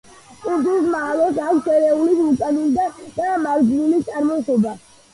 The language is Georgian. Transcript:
კუნძულ მალოს აქვს შერეული ვულკანური და მარჯნული წარმოშობა.